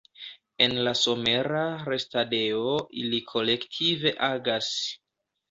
En la somera restadejo ili kolektive agas.